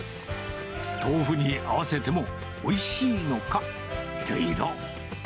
豆腐に合わせてもおいしいのか。